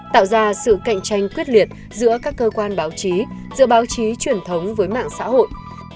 tạo ra sự cạnh tranh quyết liệt giữa các cơ quan báo chí giữa báo chí truyền thống với mạng xã hội